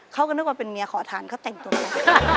เขาก็นึกว่าเป็นเมียขอทานเขาแต่งตัว